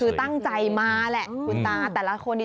คือตั้งใจมาแหละคุณตาแต่ละคนนี้